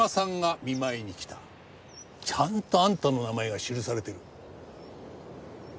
ちゃんとあんたの名前が記されてる。